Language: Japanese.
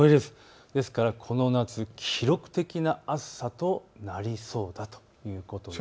ですからこの夏、記録的な暑さとなりそうだということになります。